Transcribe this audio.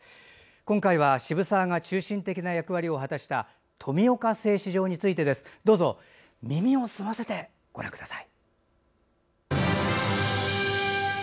今回は渋沢が中心的な役割を果たした富岡製糸場についてです。どうぞ耳を澄ませてご覧ください。